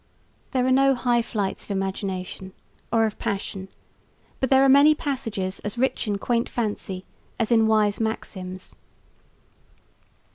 There are no high flights of imagination or of passion, but there are many passages as rich in quaint fancy as in wise maxims.